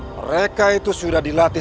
mereka itu sudah dilatih